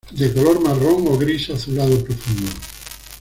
De color marrón o gris azulado profundo.